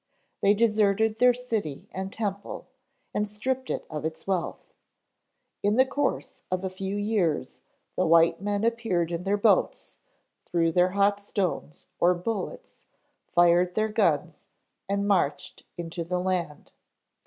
They deserted their city and temple, and stripped it of its wealth. In the course of a few years the white men appeared in their boats, threw their hot stones, or bullets, fired their guns, and marched into the land.